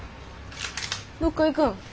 どっか行くん？